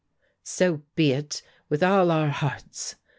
"So be it, with all our hearts!"